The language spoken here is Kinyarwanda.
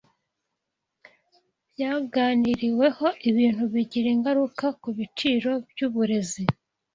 byaganiriweho Ibintu bigira ingaruka kubiciro byuburezi